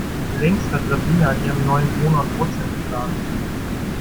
Längst hat Sabine an ihrem neuen Wohnort Wurzeln geschlagen.